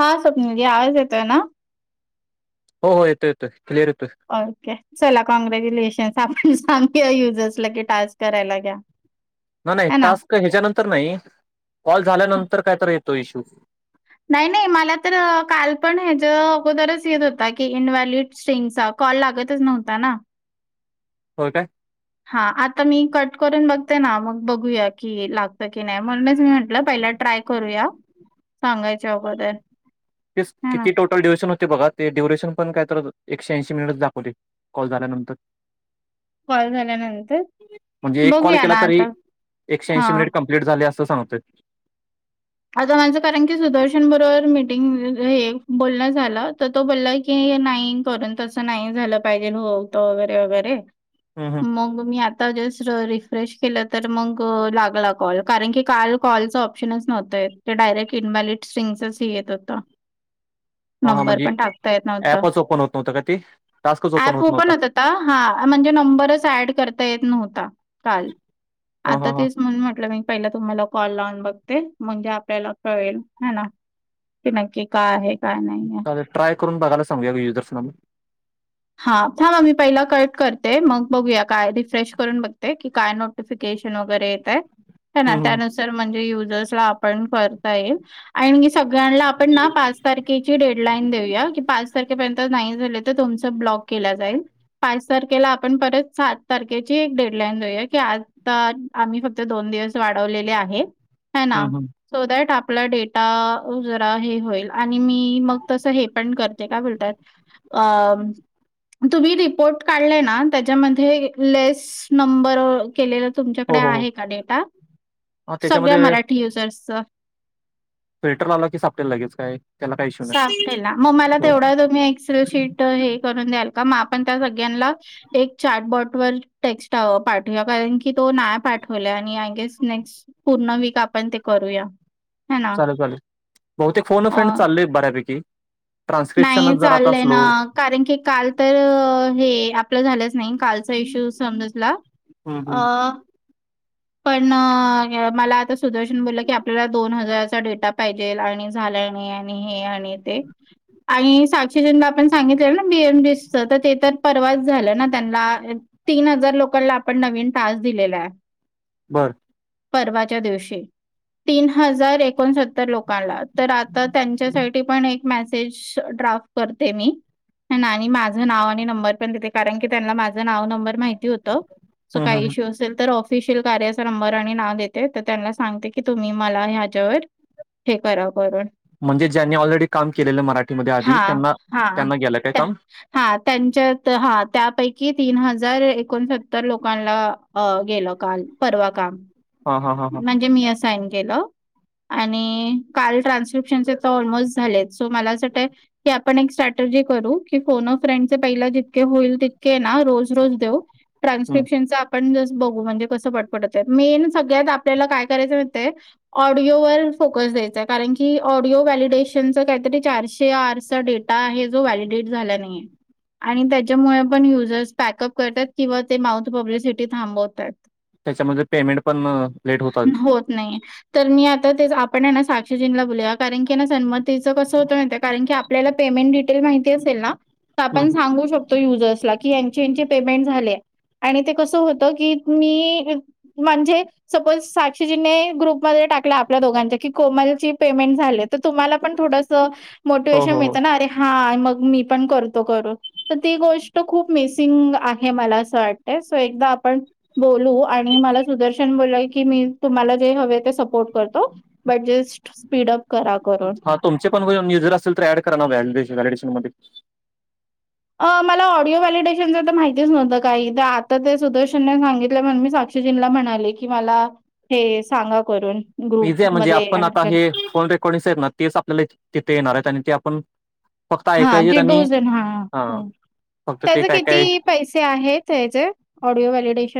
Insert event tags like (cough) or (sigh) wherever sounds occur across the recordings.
हा स्वप्नीलजी आवाज येतोय ना. हो हो येत येत क्लिअर येतोय. ओके चला कॉग्रॅज्युलेशन्स आपण सांगू या युजर्स ला कि टास्क करायला घ्या. (inaudible) नाय नाय ना? टास्क ह्याच्यानंतर नाही कॉल झाल्यानंतर काय तर येतो इश्यू नाय नाय मला तर काल पण ह्याच्या अगोदरच येत होता की इनव्हॅलिड स्टिंग्स चा कॉल लागतच नव्हता ना. होय काय. हा आता मी कट करून बघते ना मग बघूया की लागतं की नाय म्हणूनच मी म्हटलं पहिला ट्राय करूया सांगायच्या अगोदर तेच है ना किती टोट ड्युरेशन होतेय बघा ते ड्यूरेयशन पण काय तर एकशे ऐंशी मिनिट दाखवते कॉल झाल्यानंतर. कॉल झाल्यानंतर म्हणजे एक बघूया ना आता हा लेट झालय असं सांगतोय. आता माझं कारण की सुदर्शन बरोबर मीटिंग हे बोलणं झालं तर तो बोलला की नाही करून तसं नाही झालं पाहिजे होत वगैरे वगैरे हूं हूं मग मी आता जस्ट रिफ्रेश केलं तर मग लागला कॉल कारण की काल कॉलच ऑप्शनच नव्हत. ते डायरेक्ट इन्व्हेलिड सिंगच येते होतं. हां हां नंबर म्हणजे पण टाकता येत नव्हता. ऍपच ओपन होत नव्हतं का ते टास्कच ऍप होत ओपन नव्हता होट होता हा म्हणजे नंबरच ऍड करता येत नव्हता. काल हां आता हां हां तेच म्हणून म्हटलं मी पहिला तुम्हाला कॉल लावून बघते म्हणजे आपल्याला कळेल हे ना की नक्की काय आहे काय नाय. चालेल ट्राय करून बघाला सांगूया युर्सन हा थांबा मी पहिला कट करते मग बघूया काय रिफ्रेश करून बघते की काय नट केशन वगैरे येतय हेना हं, हं. त्यानुसार म्हणजे युज आपण करता येईल. आणि सगळ्यांना आपण ना पाच तारखेची डेडलाईन देऊया की पाच तारखेपर्यंत नाही झाले. तुमचा ब्लॉक केला जाईल. पाच तारखेला आपण परत सात तारखेची एक डेडलाईन देऊया की आता आम्ही फक्त दोन दिवस वाढवलेले आहे. है ना हं, हं. सो दॅट आपला डेटा जरा हे होईल. आणि मी मग तसं हे पण करते काय बोलतात अ तुम्ही रिपोर्ट काढलाय ना त्याच्यामध्ये लेस नंबर केलेल हो तुमच्याकडे हो हो आहे का डेटा हां सगळ्या त्याच्यामध्ये मराठी युजर्सच फिल्टर लावला की सापडेल लगेच काय त्याला काही इश्यू नाही सापडेल ना मग मला हो तेवढा तुम्ही सीट हे करून द्याल का मग आपण त्या सगळ्यांना एक चार्टबॉट वर टेक्स्ट पाठवू या कारण की तो नाय पाठवला आणि आय गेस नेक्स्ट पूर्ण वीक आपण ते करूया. है ना? चालेल चालेल बहुतेक फोन अ, फेंन चालले बऱ्यापैकी नाही ट्रान्स्क्रिप्शनच जरां आता चाललंय ना, स्लो कारण की काल तर हे आपलं झालंच नाही कालचा इश्यू समजला हम्म अ हम्म पण मला आता सुदर्शन बोललं की आपल्याला दोन हजाराचा डेटा पाहिजे आणि झालं नाही आणि हे आणि ते आणि साक्षी जींला आपण सांगितले ना बीएम बीसच तर ते तर परवाच झालं ना त्यांना तीन हजार लोकांना आपण नवीन टास्क दिलेला आहे. बरं परवाच्या दिवशी तीन हजार एकोणसत्तर लोकांला तर आता त्यांच्यासाठी पण एक मेसेज ड्राफ्ट करते मी ना आणि माझं नाव आणि नंबर पण देते कारण की त्यांना माझं नाव नंबर माहिती होतं हम्म हम्म काय हम्म. इश्यू असेल तर ऑफ शील कार्याचा नंबर आणि नाव देते तर त्यांना सांगते की तुम्ही मला ह्याच्यावर हे करा करून म्हणजे ज्यांनी ऑलरेडी काम केलेलं मराठीमध्ये आधी त्यांना त्यांना गेलं काय काम हा त्यांच्यात हा त्यापैकी तीन हजार एकोणसत्तर लोकांला गेलं परवा काम हां, हां, हां, हां. म्हणजे मी असइन केलं आणि काल ट्रान्स्क्रिप्शनचे तर ऑलमोस्ट झालेत सो मला असं वाटय की आपण एक स्ट्रॅटर्जी करू की फोन फ्रेंडचे पहिला जितके होईल तितके ना रोज रोज देऊ हं. ट्रान्स्क्रिप्शनचचा आपण जस बघू म्हणज कस पटपटत मेन सगळत आपल्याला काय करायचंळत ऑडिओवर फोकस द्यायचाय कारण की ऑडिओ व्हॅलिडेशनचं काहीतरी चारशे आठचा डेट आता आहे जो व्हॅलिडेट झाला नाही आणि त्याच्यामुळे पण युजर्स पॅकअप करतात किंवा ते माउथ पब्लिसिटी थांबवतात त्याच्यामध्ये पेमेंट पण लेट आलं. होत नाही तर मी आता ते आपण ना साक्षीजींला बोलूया कारण की सन्मत तच कसं होतं नाही कारण की आपल्याला पेमेंट डिटेल माहिती असेल ना हं. आपण हं. सांगू शकतो युजर्सला की यांची यांचे पेमेंट झाले आणि ते कसं होत की मी म्हणजे सपोज साक्षीजीने ग्रुपमध्ये टाकला आपल्या दोघांच्या की कोमल ची पेमेंट झाले तर तुम्हाला पण थोडसं हो, मोटिवेशन हो, हो. मिळतं ना अरे हा मग मी पण करतो करू तर ती गोष्ट खूप मिसिंग आहे मला असं वाटतय सो एकदा आपण बोलू आणि मला सुदर्शन बोलाय की मी तुम्हाला जे हवे ते सपोर्ट करतो बडजस्ट स्पीड अप करा करून हां, तुमचे पणजर असल तर ऍड करा ना व्हॅडशन मध्ये मला ऑडिओ व्हॅलिडेेशनच तर माहितीच नव्हतं काही तर आता ते सुदर्शनने सांगितलं म्हण मीक्ष शजींला म्हणाले की मला हे सांगा करून इझी आहे म्हणजे ग्रुपमध्ये आपण ऍड आता कर हे फोन रेकॉर्डिंग्स आहेत ना तेच आपल्याला तिथे येणार आहेत आणि ते आपण फक्त हा ऐकायचेत जे आणि डोजन हा हां, फक्त ते त्याचा काय काय किती पैसे आहेत त्याचे audio validation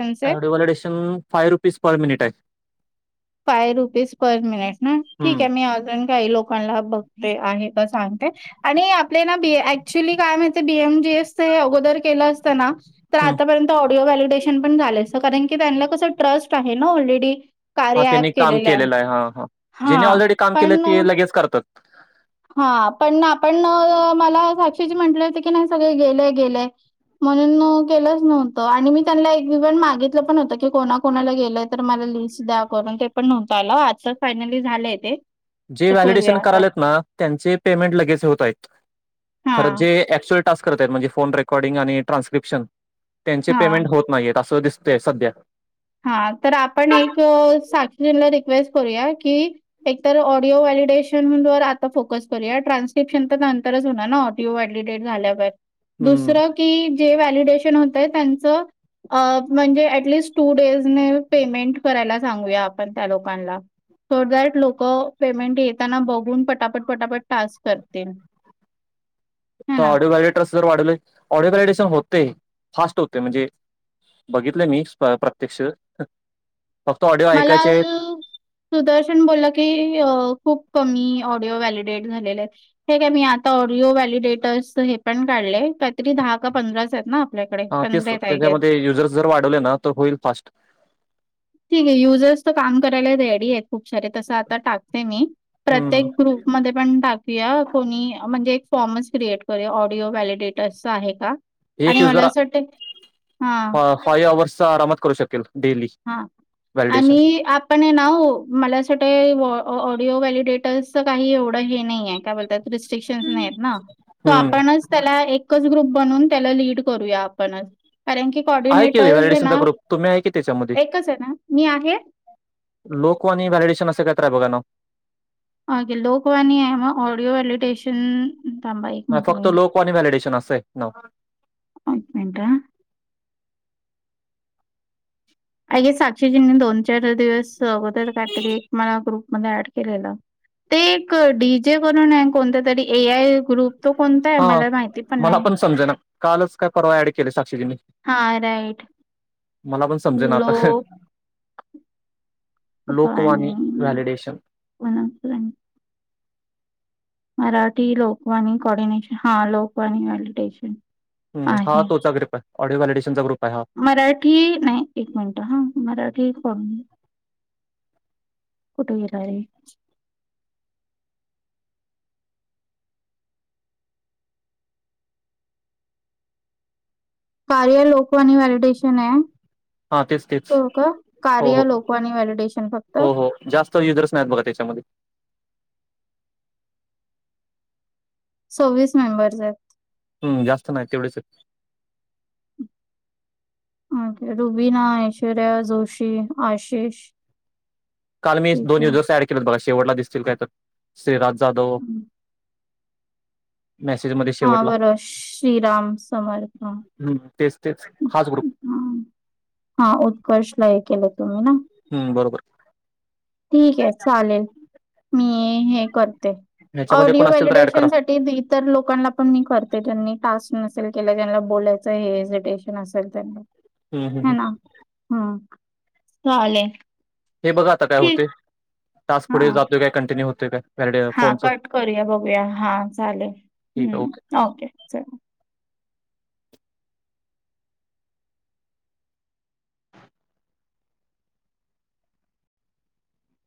validation five rupees per minute आहे फाय रुपीज पर मिनिट ना ठीक हं, आहे मी ण काही लोकांना बघते आहे सांगते आणि आपल्या ना बी ऍक्च्युली काय माह बीएम जे ड हं. ट्रस्ट आहे ना ऑलरेडी हा त्यांनी काम केलेलं आहे हा हा ज्यांनी हां ऑलरेडी काम केलं ते लगेच करतात हा पण आपण मला साक्षीचे म्हटले होते की नाही सगळे गेलंय गेलंय म्हणून केलंच नव्हतं आणि मी त्यांना एक विवंट मागितलं पण होतं की कोणा कोणाला गेलंय तर मला लिस्ट द्या करून ते पण नव्हत आलं आ फायनली झालंय ते जे तर करूया व्हॅलिडेशन आता. करालेत ना त्यांचे पेमेंट लगेच होत आहेत खरं हां, जे क्चुल करत म्हणे फोन रेकॉर्डिंग आणि ट्रान्स्क्रपशन त्यांचे हां, पेमेंट होत नाहीत अससत ते सध्या हा तर आपण एक साक्षीजंला रिक्वेस्ट करूया की तर ऑडिओ वॅलिडेशन वर आता फोकस करूया ट्रान्स्क्रपशन तर अंतरच होणार ना तीव वाढली डेट झाल्यावर हम्म. दुसर की जे वॅलिडेशन होतय त्यांच म्हणजे टस् टू डेज ने पेमेंट करायला सांगूया आपण त्या लोकांना ोड दॅट लोक पेमेंट येताना बघून पटापट पटापट टास्क करते ऑडिओडिटर जर वाढले ऑडिओ वडिशन होते फास्ट होते म्हणजे बघितलं मी प्रत्यक्ष फक्त ऑडिओ मला ऐकायचे आहेत सुदर्शन बोलला की खूप कमी ऑडिओ व्हॅलिडेट झालेले आहेत हे काय मी आता ऑडिओ व्हॅलिडेटर्स हे पण काढले काहीतरी दहा का पंधराच आहेत ना आपल्याकडे. हा ते आहेत आय गेस. त्याच्यामध्ये युजर्स जर वाढवले ना तर होईल फास्ट ठीक आहे युजर्स तर काम करायला रेडी आहेत खूप सारे तसं आता टाकते मी हम्म. प्रत्येक ग्रुप मध्ये पण टाकूया कोणी म्हणजे एक फॉर्मच क्रिएट करू ऑडिओ व्हॅलिडिटर्चा आहे का एक आणि यज मला जरा असं वाटतंय हां, फायव अवर्सचा आरामात करू शकेल डेली हां. व्हॅलिडेशन. आणि आप पण नाव मला असं वाट ऑडिओ व्हॅलिडेटर्सच काही एवढं हे नाही आहे काय बोलतात रिस्ट्रिक्शन् नाही ना तो हम्म. आपणच त्याला एकच ग्रुप बनवून त्याला लीड करूया आपणच कारण की आहे की कॉर्डिनेटर ना व्हॅलिडेशनचा ग्रुप तुम्ही आहे की त्याच्यामध्ये? एकच आहे ना मी आहे लोकवा आणि व्हॅलडेशन असं कायतय बघा ना हे लोकवानीमा ऑडिओ व्हलिटेशन फक्त लो कवानी व्हलिडेशन अस ना ओक मिनट आय गे साक्षीजींनी दोन चार दिवस अगोदर काहीतरी एक मला ग्रुप मध्ये ऍड केलेला ते एक डी जे करून आहे कोणत्या तरी ए आय ग्रुप तो कोणता आहे हा मला माहिती पण मला नाही समजेना कालच काय परवा ऍड केले साक्षीजींनी हा राईट मला पण समजे ना आता लोकवाणी लोकवानी व्हलिडेशन वणम सर मराठी लोकवानी कोॉर्डिनेशन हा लोकवानी मेडिटेशन हम तोचा ग्रुप ऑडीओ व्हॅवलिडेशनचा ग्रुप आहे हा मराठी नाही एक मिनिट हा मराठी कोण कुठ गर आहे कार्य लोकवा वॅलिडेशन आहे हा तेच तेच त का हो कार्या हो लोकवानी वेलिडेशन फक्त हो हो जास्त युजर्स नाहीत बघा त्याच्यामध्ये सव्वीस मेंबर्स आहेत हम् जास्त नाही तेवढेच ओके रुबीना ऐश्वर्या जोशी आशिष काल मी ठीक दोन दिवस आहे दिवस ऍड केले बघा शेवटला दिसतील काय तर श्रीराज जाधव हम्म. मेसेजमध्येध्ये हा बरं श्रीराम समरथ हम्म तेच तेच हाच गडू ह हा उत्कर्ष ला हे केले तुम्ही ना हम्म बरोबर ठीक आहे चालेल मी हे कर ह्याच्यामध्ये ऑडिओ कोण असतील तर ऍड करा व्हलडेशन साठी तर लोकांना पण मी करते त्यांनी टास्क नसेल केला ज्यांना बोलायचं हे हेजिटेशन असेल त्यांना हम् हम् ह हम चाले हे बघा आता काय होते ताासक हा पुढे जातोय काय कंटिन्यू होतेोय काय? व्हॅलिडे हा फोनचं कट करूया बघूया हा चालेल ठीक आहे ओके ह् ओके चल.